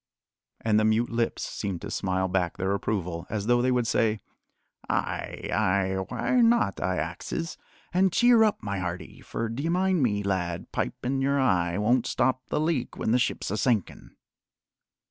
And the mute lips seemed to smile back their approval, as though they would say: "Ay, ay, wrhy not, I axes? An' cheer up, my hearty, for, d'ye mind me, lad, pipin' your eye won't stop the leak when the ship's a sinkin'."